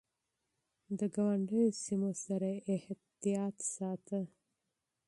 د ګاونډيو سيمو سره يې احتياط ساته.